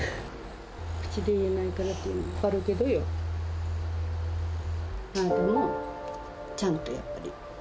口で言えないからっていうのは分かるけど、あなたもちゃんとやっぱり。